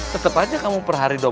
tetep aja kamu percaya dong